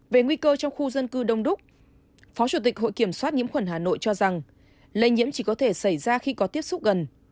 về nguy cơ trong khu dân cư đông đúc phó chủ tịch hội kiểm soát nhiễm khuẩn hà nội cho rằng lây nhiễm chỉ có thể xảy ra khi có tiếp xúc gần